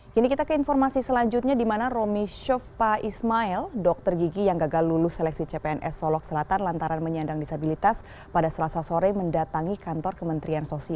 kini kita ke informasi selanjutnya di mana romi chofpa ismail dokter gigi yang gagal lulus seleksi cpns solok selatan lantaran menyandang disabilitas pada selasa sore mendatangi kantor kementerian sosial